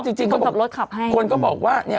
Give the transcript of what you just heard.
ซึ่งจริงคนก็บอกว่าเนี่ย